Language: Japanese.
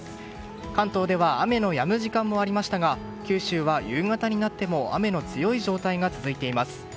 関東では雨のやむ時間もありましたが九州は夕方になっても雨の強い状態が続いています。